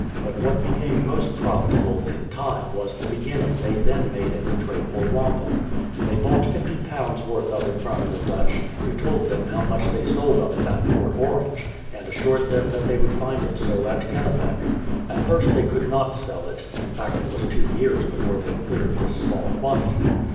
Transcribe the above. But what become most profitable, in time, was the beginning they then made in the trade for wampum. They bought i;5o worth of it from the Dutch who told them how much they sold of it at Fort Orange, and as sured them they would find it so at Kennebec. At first they could not sell it — in fact it was two years before they cleared this small quantity.